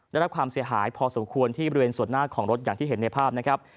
ได้รับความเสียหายพอสมควรที่บริเวณส่วนหน้าของรถอย่างที่เห็นในภาพนะครับ